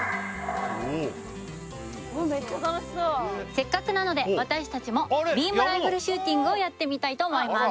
せっかくなので私たちもビームライフルシューティングをやってみたいと思います